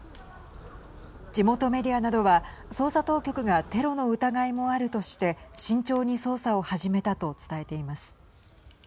地元メディアなどは捜査当局がテロの疑いもあるとして慎重に捜査を始めたと伝えています。